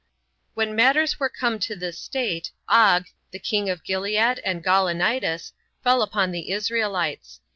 3. When matters were come to this state, Og, the king of Gilead and Gaulanitis, fell upon the Israelites.